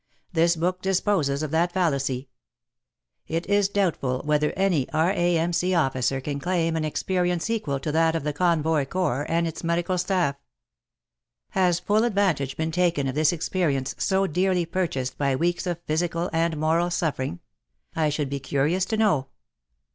This book disposes of that fallacy. It is doubtful whether any R.A.M.C. officer can claim an experience equal to that of the Convoy Corps and its medical staff. Has full advantage been taken of this experience so dearly purchased by weeks of physical and moral suffering ? I should be curious to know.